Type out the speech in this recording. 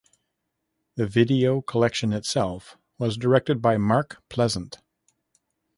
The video collection itself was directed by Mark Pleasant.